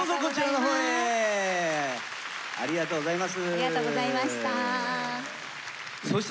わあありがとうございます。